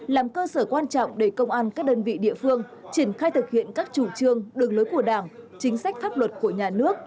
làm cơ sở quan trọng để công an các đơn vị địa phương triển khai thực hiện các chủ trương đường lối của đảng chính sách pháp luật của nhà nước